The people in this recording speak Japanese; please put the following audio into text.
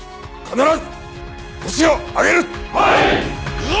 行くぞ！